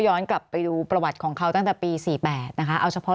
ย้อนกลับไปดูประวัติของเขาตั้งแต่ปี๔๘นะคะเอาเฉพาะ